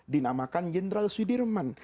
dinamakan jenderal sudirman